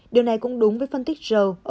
điều này cũng đúng với phân tích joe